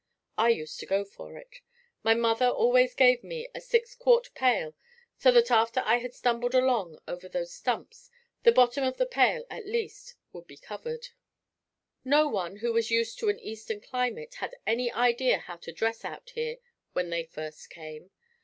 I used to go for it. My mother always gave me a six quart pail so that after I had stumbled along over those stumps, the bottom of the pail at least would be covered. No one who was used to an eastern climate had any idea how to dress out here when they first came.